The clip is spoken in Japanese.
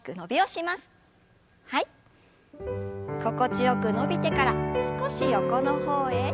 心地よく伸びてから少し横の方へ。